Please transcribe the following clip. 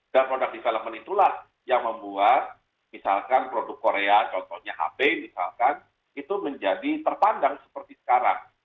produk development itulah yang membuat misalkan produk korea contohnya hp misalkan itu menjadi terpandang seperti sekarang